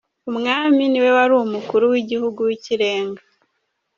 Umwami : Niwe wari umukuru w’igihugu w’ikirenga.